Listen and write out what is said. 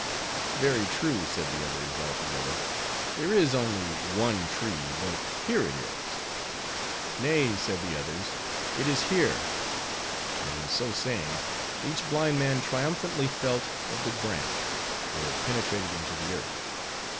'Very true,' said the others, 'all together; there is only one tree; but here it is.' 'Nay,' said the others, 'it is here!' and so saying, each blind man triumphantly felt of the branch, where it penetrated into the earth.